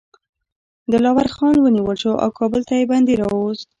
دلاور خان ونیول شو او کابل ته یې بندي راووست.